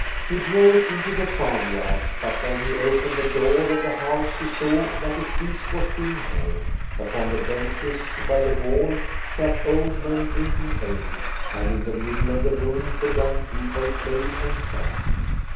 He drove into the farmyard, but when he opened the door of the house he saw that a feast was being held. Upon the benches by the wall sat old men drinking ale, and in the middle of the room the young people played and sang.